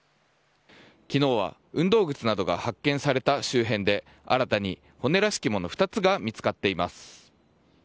昨日は運動靴などが発見された周辺で新たに骨らしきもの２つが見つかっています。